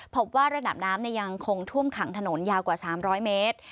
พบว่าระดับน้ำยังคงท่วมขังถนนยาวกว่า๓๐๐เมตร